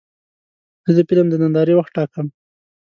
زه د فلم د نندارې وخت ټاکم.